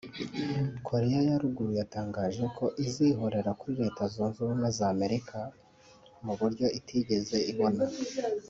Koreya ya Ruguru yatangaje ko izihorera kuri Leta zunze ubumwe z’Amerika mu buryo itigeze ibona